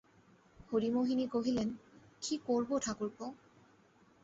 হরিমোহিনী কহিলেন, কী করব ঠাকুরপো!